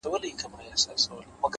د زړه سکون له پاک فکر راځي,